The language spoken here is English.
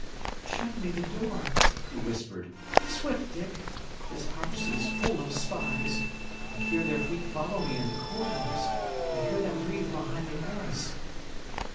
"Shut me the door," he whispered. "Swift, Dick! This house is full of spies; I hear their feet follow me in the corridors; I hear them breathe behind the arras."